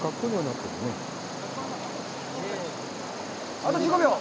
あと１５秒。